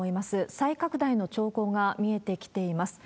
再拡大の兆候が見えてきています。